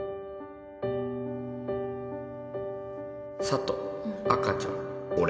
佐都赤ちゃん俺